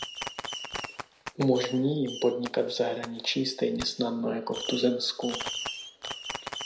Umožní jim podnikat v zahraničí stejně snadno jako v tuzemsku.